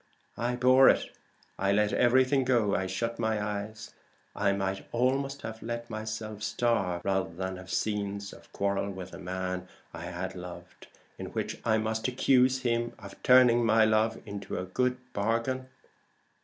I bore it; I let everything go; I shut my eyes: I might almost have let myself starve, rather than have scenes of quarrel with the man I had loved, in which I must accuse him of turning my love into a good bargain."